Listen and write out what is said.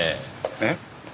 えっ？